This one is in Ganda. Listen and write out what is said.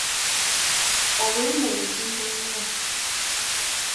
Obulamu buzibu nnyo.